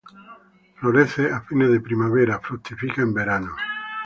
Florece a fines de primavera; fructifica en verano.